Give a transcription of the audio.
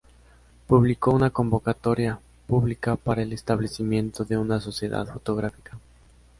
Publicó una convocatoria pública para el establecimiento de una sociedad fotográfica.